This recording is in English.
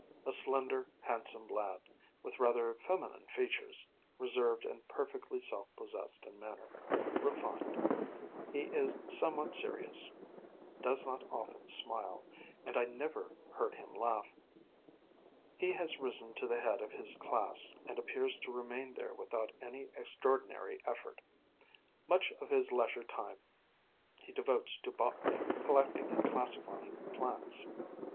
A slender, handsome lad, with rather feminine features, reserved and perfectly self possessed in manner, refined. He is somewhat serious, does not often smile; and I never heard him laugh. He has risen to the head of his class, and appears to remain there without any extraordinary effort. Much of his leisure time he devotes to botany collecting and classifying plants.